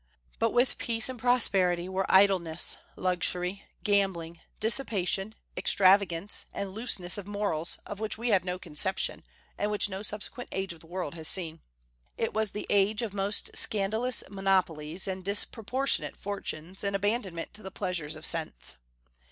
But with peace and prosperity were idleness, luxury, gambling, dissipation, extravagance, and looseness of morals of which we have no conception, and which no subsequent age of the world has seen. It was the age of most scandalous monopolies, and disproportionate fortunes, and abandonment to the pleasures of sense.